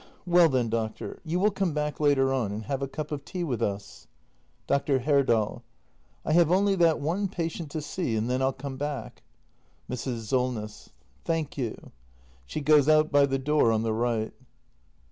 — Well then, doctor, you will come back later on, and have a cup of tea with us ? Dr. Herdal. I have only that one patient to see, and then I'll come back. Mrs. Solness. Thank you. [Site goes out by the door on the right.